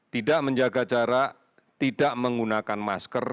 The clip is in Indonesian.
tidak menjaga jarak tidak menggunakan masker